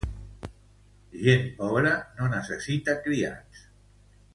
Gent pobra no necessita criats.